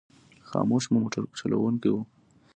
خاموش مو موټر چلوونکی و.